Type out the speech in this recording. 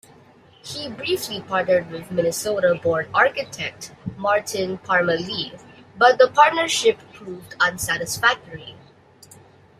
He briefly partnered with Minnesota-born architect Martin Parmalee, but the partnership proved unsatisfactory.